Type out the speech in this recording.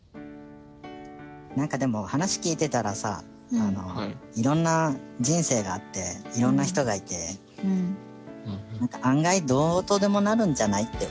何かでも話聞いてたらさいろんな人生があっていろんな人がいて案外どうとでもなるんじゃない？って思っちゃうんだけどどう？